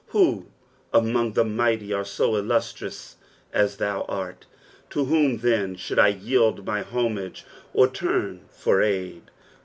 Who among the mighty are so illustrious as thou art ? To whom, then, should I yield my homage or turn for aid